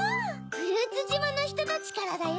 フルーツじまのひとたちからだよ。